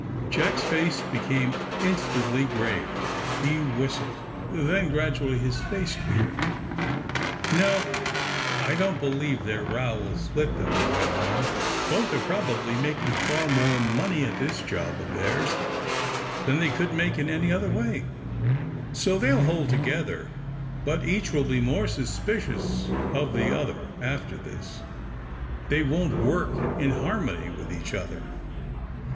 Jack's face became instantly grave; he whis tled. Then, gradually, his face cleared, *^No; I don't believe their row will split them," he went on. ^^Both are probably mak ing far more money at this job of theirs than they could make in any other way, so they'll hold together. But each will be more suspicious of the other after this. They won't work in AND THE SMUGGLERS 99 harmony with, each other.